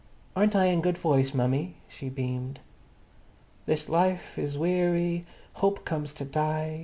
"Aren't I in good voice, mummy?" she beamed. This Life is Wee ary, Hope comes to Die.